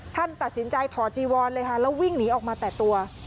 ท่านตัดสินใจถอดจีวอนเลยค่ะแล้ววิ่งหนีออกมาแต่ตัว